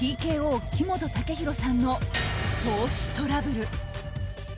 ＴＫＯ木本武宏さんの投資トラブル。